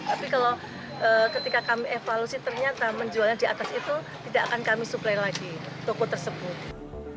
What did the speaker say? tapi kalau ketika kami evaluasi ternyata menjualnya di atas itu tidak akan kami suplai lagi toko tersebut